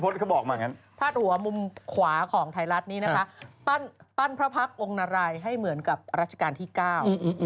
พระบาทหัวมุมขวาของไทยรัฐนี้นะคะปั้นพระพักษมณ์องค์นารัยให้เหมือนกับราชการที่เก้า